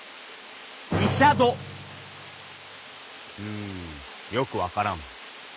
うんよく分からん。